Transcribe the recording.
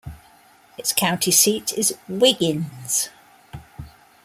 Its county seat is Wiggins.